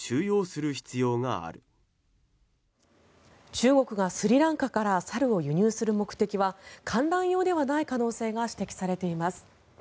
中国がスリランカから猿を輸入する目的は観覧用ではない可能性が指摘されています。